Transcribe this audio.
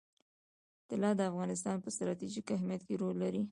طلا د افغانستان په ستراتیژیک اهمیت کې رول لري.